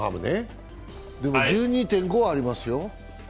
でも１２．５ありますよ。